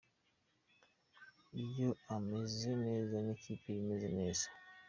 Iyo ameze neza n’ikipe iba imeze neza.